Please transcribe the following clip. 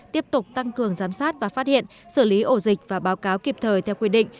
tiếp tục tăng cường giám sát và phát hiện xử lý ổ dịch và báo cáo kịp thời theo quy định